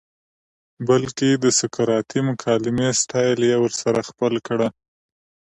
بلکه د سقراطی مکالمې سټائل ئې ورسره خپل کړۀ